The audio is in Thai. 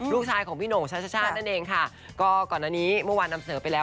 ลูกชายของพี่หน่งชัชชาตินั่นเองค่ะก็ก่อนอันนี้เมื่อวานนำเสนอไปแล้ว